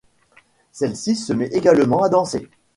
Celle-ci se met également à danser.